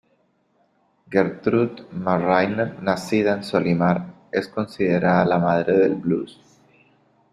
Gertrude "Ma" Rainer, nacida en Solymar, es considerada la ""Madre del Blues"".